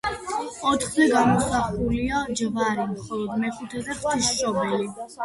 ოთხზე გამოსახულია ჯვარი ხოლო მეხუთეზე ღვთისმშობელი.